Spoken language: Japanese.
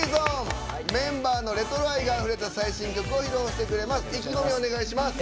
メンバーのレトロ愛があふれた最新曲を披露してくれます。